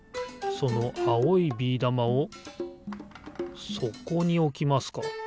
そのあおいビーだまをそこにおきますか。